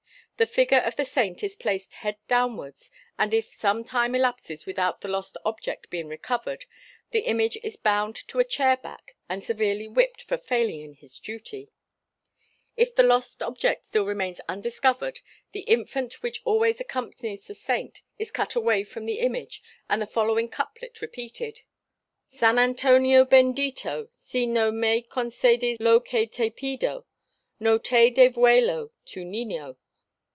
The figure of the saint is placed head down wards and if some time elapses without the lost object being recovered the image is bound to a chair back and severely whipped for failing in his duty; if the lost object still remains undiscovered the infant which always accompanies the saint is cut away from the image and the following couplet repeated "San Antonio Bendito si no me concedes lo que te pido no te devuelvo tu niño."